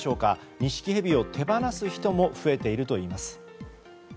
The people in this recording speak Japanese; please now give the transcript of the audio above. ニシキヘビを手放す人も増えているといいます。